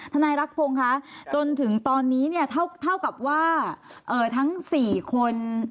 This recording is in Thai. ทนายรักภงจนถึงตอนนี้เท่ากับทั้งสี่คน